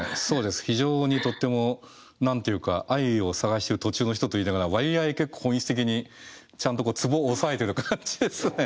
非常にとっても何て言うか愛を探してる途中の人と言いながら割合結構本質的にちゃんとツボを押さえてる感じですね。